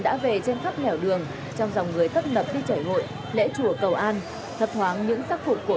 trong dòng người tấp nập đi chảy hội lễ chùa cầu an